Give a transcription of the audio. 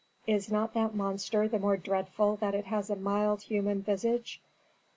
"Is not that monster the more dreadful that it has a mild human visage?